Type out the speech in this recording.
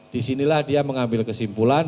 disinilah dia mengambil kesimpulan